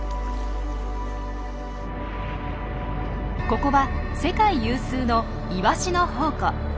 ここは世界有数のイワシの宝庫。